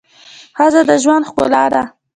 ښځه د ژوند ښکلا ده.